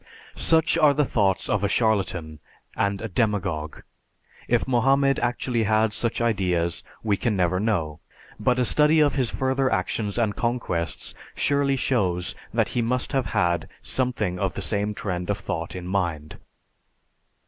F. Dibble._) Such are the thoughts of a charlatan and a demagogue. If Mohammed actually had such ideas, we can never know; but a study of his further actions and conquests surely shows that he must have had something of the same trend of thought in mind.